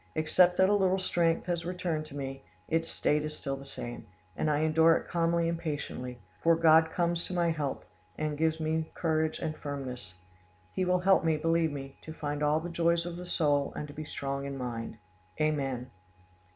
Except that a little strength has returned to me, its state is still the same, and I endure it calmly and patiently; for God comes to my help, and gives me courage and firmness. He will help me, believe me, to find all the joys of the soul and to be strong in mind. Amen.